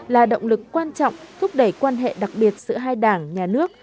là động lực quan trọng thúc đẩy quan hệ đặc biệt giữa hai đảng nhà nước